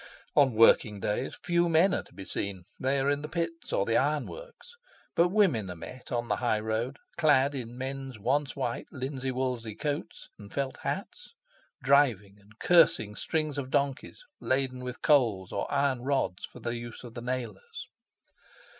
On working days few men are to be seen, they are in the pits or the ironworks, but women are met on the high road clad in men's once white linsey woolsey coats and felt hats, driving and cursing strings of donkeys laden with coals or iron rods for the use of the nailers.